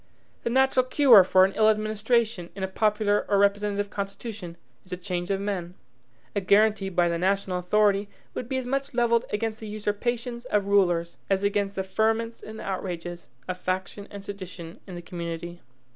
The natural cure for an ill administration, in a popular or representative constitution, is a change of men. A guaranty by the national authority would be as much levelled against the usurpations of rulers as against the ferments and outrages of faction and sedition in the community.